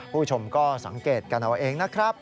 ผู้ชมก็สังเกตกันเอาเองนะครับ